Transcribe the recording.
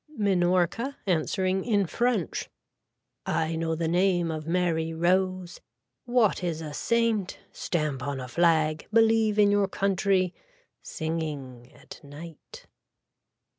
(Minorca answering in french.) I know the name of Mary Rose. What is a saint. Stamp on a flag. Believe in your country. Singing at night.